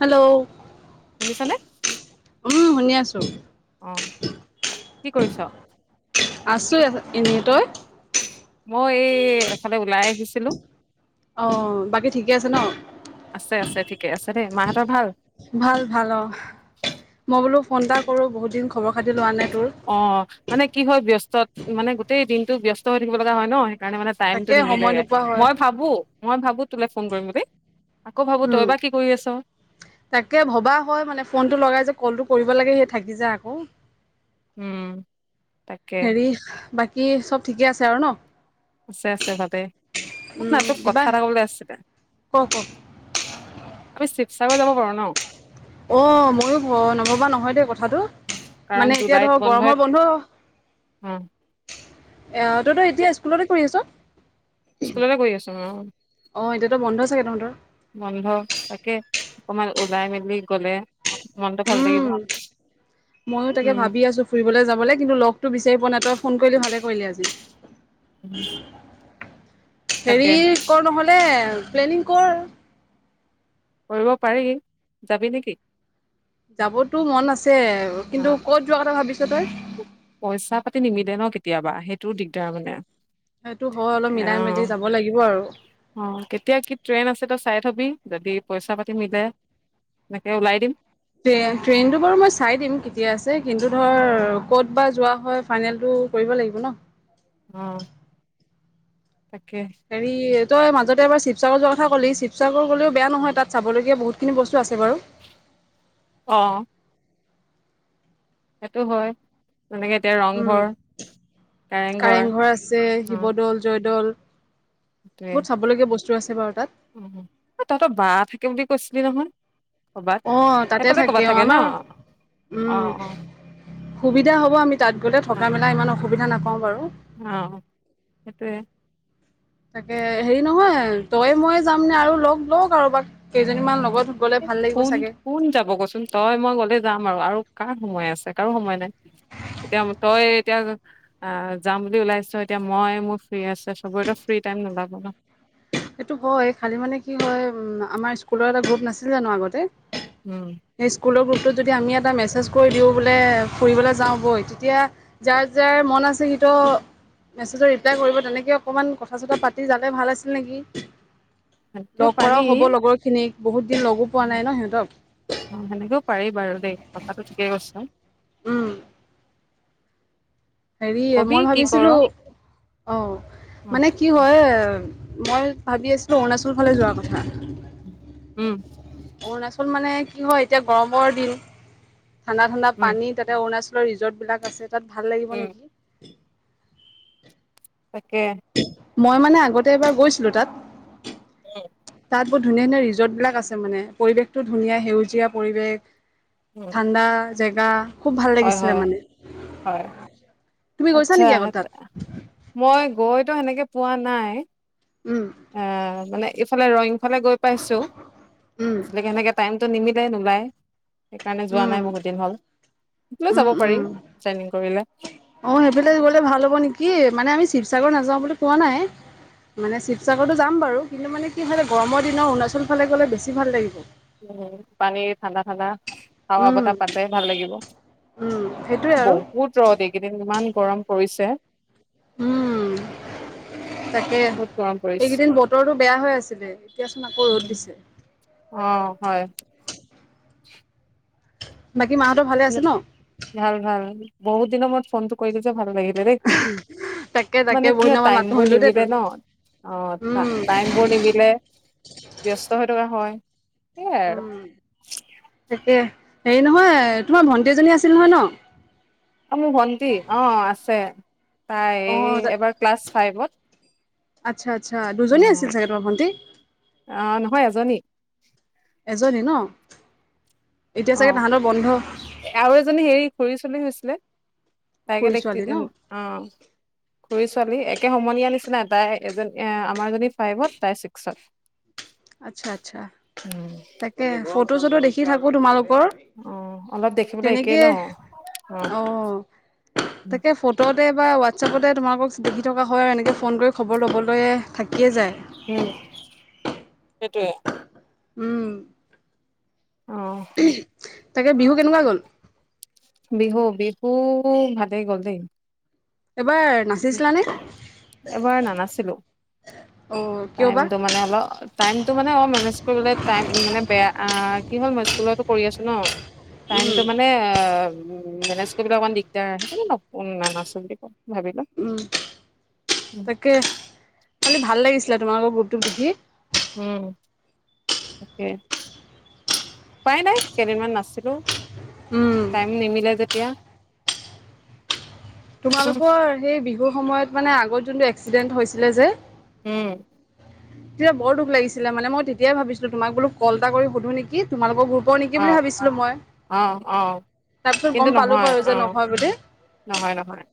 Hello শুনিছানে? [unintelligible] উম, শুনি আছো। অ' কি কৰিছ? আছোঁ [unintelligible] এনে তই? মই এই এফালে ওলাই আহিছিলোঁ। অ' বাকী ঠিকে আছে ন? আছে, আছে ঠিকে আছে দে, মাহঁতৰ ভাল? ভাল ভাল অ', মই বোলো ফোন এটা কৰো বহুত দিন খবৰ খাতি লোৱা নাই। তোৰ অ' মানে কি হয়, ব্যস্ত মানে গোটেই দিনটো ব্যস্ত হৈ থাকিব লগা হয় ন, সেইকাৰণে মানে। টাইমটো তাকে সময় নিমিলেগে, নোপোৱা হয় মই ভাবো, মই ভাবো তোলে ফোন কৰিম বুলি। আকৌ ভাবো তই উম বা কি কৰি আছ। তাকে ভবা হয়, মানে ফোনটো লগাই যে কলটো কৰিব লাগে সে থাকি যায় আক। উম'। তাকে হেৰি, বাকী চব ঠিকে আছে আৰু ন'? আছে, আছে ভালে, শুন না উম তোক কথা কিবা এটা কবলে আছিলে। ক ক আমি শিৱসাগৰ যাব পাৰো ন'। অ' ময়ো নভবা নহয় দেই কথাটো, কাৰণ মানে এতিয়া জুলাইত ধৰ বন্ধই গৰমৰ বন্ধ অ'। অ' তইতো এতিয়া স্কুলতে কৰি আছ? স্কুলতে কৰি আছো অ' অঁ এতিয়াতো বন্ধ চাগে তহঁতৰ? বন্ধ তাকে, অকমান ওলাই মেলি গলে। মনটো ভাল লাগিব। উম' মইও তাকে ভাবি উম। আছো। ফুৰিবলে যাবলে কিন্তু লগটো বিচাৰি পোৱা নাই, তই ফোন কৰিলি ভালে কৰিলি আজি। [unintelligible] হেৰি তাকে কৰ নহ'লে প্লেনিং কৰ। কৰিব পাৰি, যাবি নেকি? যাবতো মন আছে, অ কিন্তু ক'ত যোৱাৰ কথা ভাবিছ তই? পইচা পাতি নিমিলে ন কেতিয়াবা, সেইটো দিগদাৰ মানে। সেইটো হয় অলপ মিলাই মেলি যাব লাগিব আৰু। অঁ কেতিয়া কি ট্ৰেইন আছে তই চাই থ'বি, যদি পইচা পাতি মিলে এনেকে ওলাই দিম। ট্ৰেইনটো বাৰু মই চাই দিম কেতিয়া আছে, কিন্তু ধৰ ক'ত বা যোৱা হয় ফাইনেলটো। কৰিব লাগিব ন'। অ' তাকে। হেৰি তই মাজতে এবাৰ শিৱসাগৰ যোৱা কথা ক'লি, শিৱসাগৰ গ'লেও বেয়া নহয় তাত চাবলগীয়া বহুতখিনি বস্তু আছে বাৰু। অ'। সেইটো হয়, যেনেকে এতিয়া উম ৰংঘৰ। কাৰেংঘৰ আছে, অ শিৱদৌল, জয়দৌল সেইটোৱে বহুত চাবলগীয়া বস্তু আছে বাৰু তাত। অ', তহঁতৰ 'বা' থাকে বুলি কৈছিলি নহয়? ক'বাত অ' তাতে সেইফালে ক'বাত থাকে অ' ন আমাৰ, অ অ উম' অ সুবিধা হ'ব আমি তাত গলে, থকা মেলা ইমান অসুবিধা নাপাওঁ বাৰু। অ'সেইটোৱে। তাকে হেৰি নহয়, তই, মই যাম নে, আৰু লগ লওঁ কাৰোবাক কেইজনীমান লগত গ'লে এ ভাল লাগিব কোন চাগে কোন যাব ক'চোন, তই মই গলে যাম আৰু, আৰু কাৰ সময় আছে, কাৰো সময় নাই। এতিয়া তই এতিয়া আ যাম বুলি ওলাইছ এতিয়া, মই মোৰ ফ্ৰী আছে চবৰেতো ফ্ৰী টাইম নোলাব ন'। সেইটো হয়, খালী মানে কি হয়, আমাৰ স্কুলৰ এটা গ্ৰুপ নাছিল জানো আগতে। উম'। সেই স্কুলৰ গ্ৰুপটোত যদি আমি এটা মেছেজ কৰি দিওঁ বোলে, ফুৰিবলৈ যাওঁ বৈ তেতিয়া যাৰ যাৰ মন আছে সি ত'। মেছেজৰ ৰিপ্লাই কৰিব, তেনেকে অকণমান কথা চথা পাতি যালে ভাল আছিল নেকি। সেনেকেও লগ পাৰি কৰাও হ'ব লগৰখিনিক, বহুত দিন লগো পোৱা নাই ন' সিহঁতক। অ' সেনেকেও পাৰি বাৰু দেই। কথাটো ঠিকেই কৈছ! উম। সেৰি, কবি মই কি কৰ ভাবিছিলোঁ, অ'! উম মানে, কি হয়, মই ভাবি আছিলোঁ, অৰুণাচল ফালে যোৱাৰ কথা। উম। অৰুণাচল মানে, কি হয় এতিয়া, গৰমৰ দিন। ঠাণ্ডা-ঠাণ্ডা উম, পানীত তাতে, অৰুণাচলৰ ৰিজৰ্টবিলাক আছে। তাত ভাল লাগিব উম, নেকি! তাকে। মই মানে, আগতে এবাৰ গৈছিলোঁ তাত। উম। তাত, বহুত ধুনীয়া-ধুনীয়া ৰিজৰ্ট বিলাক আছে, মানে! পৰিৱেশতো ধুনীয়া, সেউজীয়া পৰিৱেশ। উম, ঠাণ্ডা জেগা, খুউব ভাল হয় লাগিছিলে হয় মানে! হয় তুমি গৈছা আচ্ছা, নেকি আগত তাত মই গৈতো সেনেকে পোৱা নাই। উম আঁ মানে, এইফালে ৰয়িং ফালে গৈ পাইছোঁ। উম আজিলৈকে, সেনেকে টাইমটো নিমিলে, নোলায়। সেইকাৰণে, যোৱা উম নাই বহুত দিন হ'ল। লৈ উম যাব পাৰি, উম ট্ৰেনিং কৰিলে। অ'! সেইফালে, গ'লে ভাল হ'ব নেকি! মানে, আমি শিৱসাগৰ নাযাওঁ বুলি কোৱা নাই। মানে, শিৱসাগৰটো যাম বাৰু। কিন্তু মানে, কি হয়, গৰমৰ দিনত অৰুণাচল ফালে গ'লে, বেছি ভাল লাগিব! উম, পানীৰ ঠাণ্ডা-ঠাণ্ডা, হাৱা উম বতাহ পালে, ভাল লাগিব। উম সেইটোৱে আৰু বহুত ৰ'দ এইকেইদিন। ইমান গৰম পৰিছে! উম, তাকে! বহুত গৰম পৰিছে এইকেইদিন বতৰটো বেয়া হৈ আছিলে। এতিয়াচোন আকৌ ৰ'দ দিছে। অ'! হয়। বাকী, মাহঁতৰ ভালে আছে ন'? ভাল-ভাল, বহুত দিনৰ মূৰত ফোনটো কৰিলোঁ যে, ভাল লাগিলে দেই! তাকে তাকে মানে বহুত কি হয়, দিনৰ মূৰত মাতটো টাইমবোৰ শুনিলো দেই তোৰ নিমিলে ন'। অ'! উম টাইমবোৰ নিমিলে। ব্যস্ত হৈ থকা হয়, সেইয়াই আৰু। উম তাকে, সেৰি নহয়, তোমাৰ ভণ্টি এজনী আছিল নহয়, ন'? মোৰ ভণ্টি, অ'! আছে। তাই অ এই, এবাৰ ক্লাছ ফাইভত। আচ্ছা, আচ্ছা! দুজনী উম, আছিল চাগে তোমাৰ ভন্টি? অ'! নহয়, এজনী। এজনী ন'? এতিয়া অ চাগে, তাহাঁতৰ বন্ধ? আৰু এজনী, সেৰি, খুড়ী চোৱালী হৈছিলে। তাইকে খুৰী দেখি, ছোৱালী ন অ'। খুড়ী ছোৱালী, একে সমনীয়া নিচিনা। তাই এজ, আমাৰজনী ফাইভত, তাই ছিক্সত। আচ্ছা, আচ্ছা। তাকে, ফটো-চটো দেখি দেখি থাকোঁ তোমালকৰ। অ অলপ দেখিবলৈ একেই তেনেকে, ন। অ'! [unintelligible] উম তাকে, ফ ফটোতে বা হোৱাটছএপতে, তোমালোকক দেখি থকা হয় আৰু। এনেকৈ ফোন কৰি খবৰ ল'বলৈ, থাকিয়ে যায়। উম, সেইটোৱে। উম। অ'! তাকে, বিহু কেনেকুৱা গ'ল? বিহু, বিহু ভালেই গ'ল দেই। এবাৰ নাচিছিলানে [inaudible] এইবাৰ নানাছিলোঁ। অ কিয় বা টাইমটো মানে অলপ টাইমটো মানে অ মেনেজ কৰিবলৈ টাই মানে বেয়া কি হল মই স্কুলতো কৰি আছো ন টাইমটো উম মানে এ মেনেজ কৰিবলৈ অকমান দিগদাৰ সেইকাণে মই নানাছো বুলি কম ভাবি ল উম তাকে খালি ভাল লাগিছিলে তোমালোকৰ গ্ৰুপটোক দেখি উম তাকে উপাই নাই কেইদিনমান নাছিলো উম টাইম নিমিলে যেতিয়া তোমালোকৰ সেই বিহুৰ সময়ত মানে আগত যোনটো এক্সিডেন্ট হৈছিলে যে উম তেতিয়া দুখ লাগছিলে মানে মই তেতিয়াই ভিবিছিলো তোমাক বোলো কল এ কৰি সোধো নিকি তোমালোক গ্ৰুপ ব নিকি অ বুলি ভাবিছিলোঁ মই অ অ তাৰপিছত কিন্তু গম পালোঁ নহয় বাৰু যে অ নহয় বুলি নহয় নহয়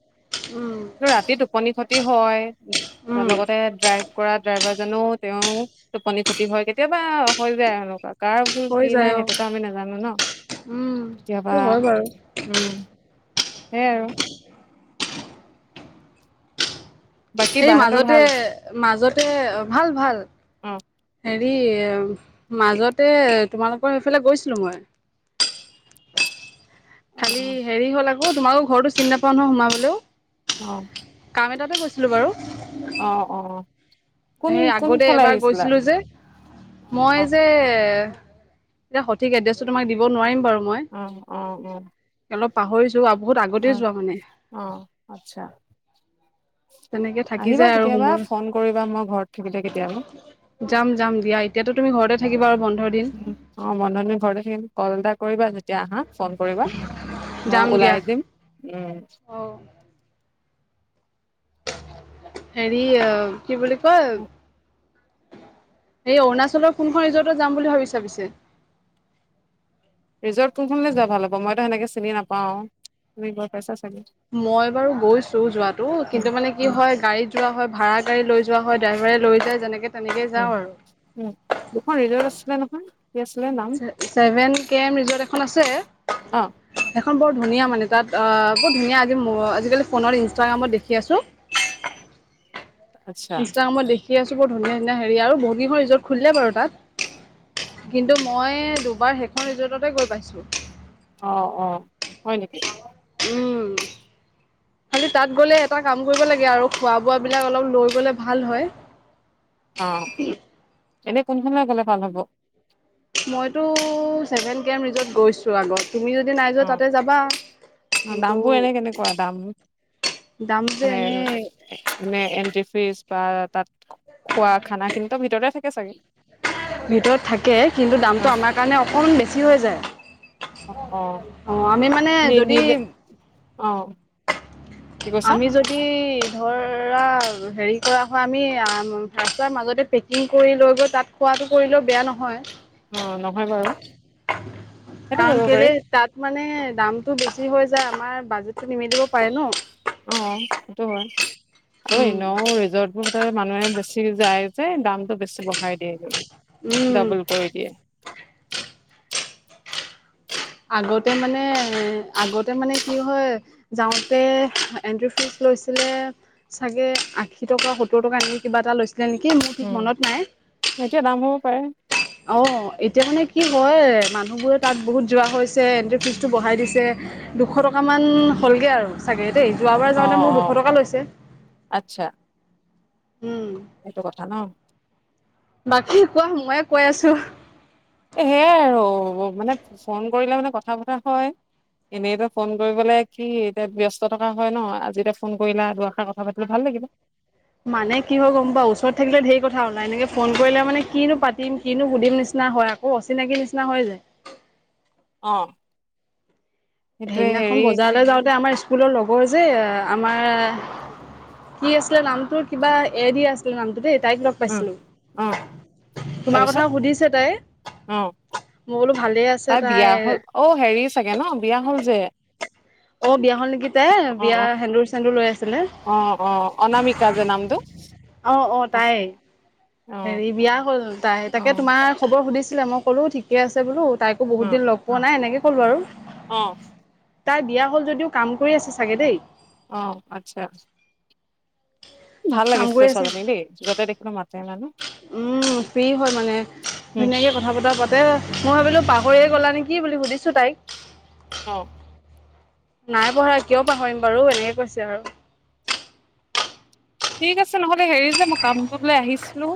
উম কিন্তু ৰাতি টোপনি ক্ষতি হয় উম লগতে ড্ৰাইভ কৰা ড্ৰাইভাৰ জনো তেওঁৰ টোপনি ক্ষতি হয় কেতিয়াবা হৈ যায় এনকা কাৰ ভুল হৈ কি যায় নাই অ সেইটোত আমি নাজানো ন উম কেতিয়াবা সেইটো হয় বাৰু উম সেই আৰু বাকী সেই বাহঁতৰ মাজতে ভাল মাজতে ভাল ভাল অ হেৰি মাজতে তোমালোকৰ সেফালে গৈছিলোঁ মই অ খালি হেৰি হ'ল আকৌ তোমাৰো ঘৰটো চিন নাপাৱ নহয় সোমাবলৌ অ কাম এটাতে গৈছিলোঁ বাৰু অ অ কোন সেই আগতে কোনফালে এবাৰ আহিছিলা গৈছিলো যে মই অ যে এতিয়া সঠিক এড্ৰেছটো তোমাক দিব নোৱাৰিম বাৰু মই অ অ অ অলপ পাহৰিছো আ বহুত অ আগতে যোৱা মানে অ আচ্ছা তেনেকে থাকি আহিবা যায় আৰু কেতিয়াবা সুমোৱা ফোন কৰিবা মই ঘৰত থাকোতে কেতিয়াবা যাম যাম দিয়া এতিয়াতো তুমি ঘৰতে থাকিবা আৰু বন্ধ দিন অ বন্ধৰ দিন ঘৰতে থাকিম কল এটা কৰিবা যেতিয়া আহা ফ'ন কৰিবা যাম মই দিয়া ওলাই দিম উম অ হেৰি অ কি বুলি কয়। এই অৰুণাচলৰ কোনখন ৰিজৰ্টত যাম বুলি ভাবিছা পিছে। ৰিজৰ্ট কোনখনলৈ যোৱা ভাল হ'ব মইতো সেনেকে চিনি নাপাওঁ তুমি গৈ পাইছা চাগে মই বাৰু গৈছো যোৱাটো উম, কিন্তু মানে কি উম, হয় গাড়ীত যোৱা হয় ভাড়া গাড়ী লৈ যোৱা হয় ড্ৰাইভাৰে লৈ যায় যেনেকে তেনেকে উম, যাওঁ আৰু উম দুখন ৰিজাৰ্ট আছিলে নহয়। কি আছিলে নাম চেভেন কে এম ৰিজৰ্ট এখন আছে। অ', এখন বৰ ধুনীয়া মানে তাত আহ বৰ ধুনীয়া আজি আজিকালি ফোোনত ইনষ্টাগ্ৰামত দেখি আছো [inaudible] সেখন বৰ ধুনীয়া মানে তাত আ বৰ ধুনীয়া আজি আজিকালি ফোনত ইনষ্টাগ্ৰামত দেখি আছো। আচ্ছা ইনষ্টাগ্ৰামত দেখি আছো বৰ ধুনীয়া ধুনীয়া হেৰি আৰু বহুতগিখন ৰিজৰ্ট খুলিলে বাৰু তাত। কিন্তু মই দুবাৰ সেইখন ৰিজৰ্টতে গৈ পাইছো। অঁ অঁ, হয় নেকি? উম। খালি তাত গ'লে এটা কাম কৰিব লাগে আৰু, খোৱা বোৱাবিলাক অলপ লৈ গ'লে ভাল হয়। অঁ, এনেই কোন ফালে গ'লে ভাল হ'ব? মইতো ছেভেন কেম ৰিজত গৈছোঁ আগত। তুমি যদি নাই যোৱা অ', তাতে যাবা, অ, কিন্তু দামবোৰ এনে কেনেকুৱা দাম? দাম যে এনেই এ মানে এণ্ট্ৰি ফ্ৰিজ বা তাত খোৱা খানা খিনিতো ভিতৰতে থাকে চাগে। ভিতৰত থাকে, কিন্তু দামটো অ', আমাৰ কাৰণে অকণমান বেছি হৈ যায়। অ', অ, অঁ, আমি মানে যদি অঁ আমি যদি ধৰা হেৰি কৰা হয় আমি ৰাস্তাৰ মাজতে পেকিং কৰি লৈ গৈ তাত খোৱাটো কৰিলেও বেয়া নহয়। অঁ নহয় বাৰু। সেইটো কাৰণ কৰিব কেলে পাৰি তাত মানে দামতটো বেছি হৈ যায়, আমাৰ বাজেটটো নিমিলিব পাৰে ন। অঁ, সেইটো হয় আৰু উম এনেও ৰিজৰ্ট বোৰ মানুহে বেছি যায় যে দামতটো বেছি বঢ়াই দিয়ে উম ডাবল কৰি দিয়ে। [inaudible] আগতে মানে আগতে মানে কি হয়। যাওঁতে এণ্ট্ৰি ফিজ লৈছিলে চাগে আশী টকা সত্তৰ টকা এনেকে কিবা এটা লৈছিলে নেকি মোৰ ঠিক উম মনত নাই। এতিয়া দাম হ'ব পাৰে। অঁ এতিয়া মানে কি হয় মানুহবোৰে তাত বহুত যোৱা হৈছে এণ্ট্ৰি ফিজটো বঢ়াই দিছে। দুশ টকামান হ'লগে আৰু চাগে দেই যোৱাবাৰ অ যাওঁতে মোক অ দুশ টকা লৈছে। আচ্ছা। উম। সেইটো কথা ন। বাকী কোৱা মইয়ে কৈ আছো। এ সেই আৰু ফোন কৰিলে মানে কথা পতা হয়। এনেইতো ফোন কৰিবলে কি এতিয়া ব্যস্ত থকা হয় ন, আজি এতেয়া ফোন কৰিলা আৰু দুই এশা কথা পাতিলো ভাল লাগিলে। মানে কি হয় গম পাও, ওচৰত থাকিলে ধেৰ কথা ওলাই এনেকে ফোন কৰিলে মানে কিনো পাতিম কিনো সুধিম নিচিনা হয় আ কৌ নিচিনা হৈ যায়। অঁ। সেইদিনাখন বজাৰলৈ যাওঁতে আমাৰ স্কুলৰ লগৰ যে আমাৰ কি আছিলে নামটো কিবা এ দি আছিলে নামটো দেই তাইক লগ উম পাইছিলো, অ তোমাৰ তাৰপিছত কথাও সুধিছে তাই। অ মই বোলো ভালে আ তাই বিয়া হল, অ হেৰি চাগে ন বিয়া হল যে [unintelligible] অ বিয়া হল নেকি অ তাই, অ বিয়াৰ অ সেন্দুৰ চেন্দুৰ লৈ আছিলে। অ অ অনামিকা যে নামটো অঁ অঁ, অ তাই হেৰি বিয়া হ'ল তাই, অ তাকে তোমাৰ খবৰ সুধিছিলে মই ক'লো ঠিকে আছে বোলো তাইকো বহুত দিন লগ পোৱা নাই এনেকে ক'লো আৰু। অঁ তাই দিয়া হ'ল যদিও কাম কৰি আছে চাগে দেই! অ', আচ্ছা। ভাল লাগে কাম কৰি আছে ছোৱালী জনীক দেই য'তে দেখিলো মাতে মানে। উম, ফ্ৰী হয় মানে, উম ধুনীয়াকে কথা কথা-বতৰা পাতে মই ভাবিলো পাহৰিয়ে গ'লা নেকি বুলি সুধিছোঁ তাইক। অ'। নাই পাহৰা কিয় পাহৰিম বাৰু এনেকে কৈছে আৰু। ঠিক আছে নহ'লে হেৰি যে মই কামটো লৈ আহিছিলোঁ।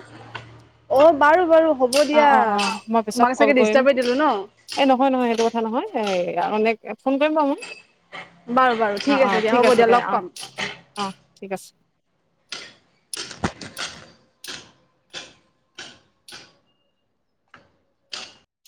অ', বাৰু বাৰু হ'ব অ দিয়া, অ অ মই পিছত তোমাক কল চাগে কৰিম ডিষ্টাৰবেই দিলো ন'? এই নহয় নহয় সেইটো কথা নহয়, এই এনে ফোন কৰিম বাৰু মই। বাৰু বাৰু অ', অ', দিয়া ঠিক হ'ব আছে দিয়া দে লগ অ', পাম অ', ঠিক আছে।